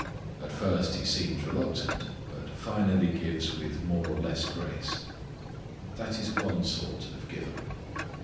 At first he seems reluctant, but finally gives with more or less grace. That is one sort of giver.